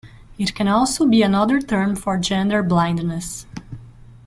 It can also be another term for gender-blindness.